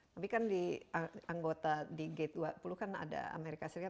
tapi kan di anggota di g dua puluh kan ada amerika serikat